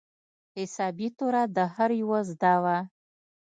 حسابي توره د هر يوه زده وه.